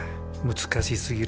難しすぎる。